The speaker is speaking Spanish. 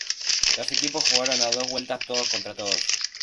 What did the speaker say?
Los equipos jugaron a dos vueltas todos contra todos.